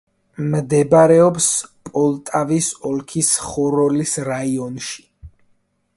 მდებარეობს პოლტავის ოლქის ხოროლის რაიონში.